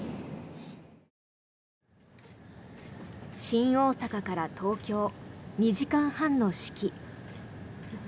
新大阪から東京２時間半の式。